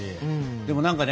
でも何かね